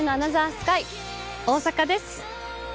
スカイ大阪です。